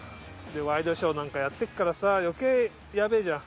ワイドショーなんかやってっからさあ計やべえじゃん。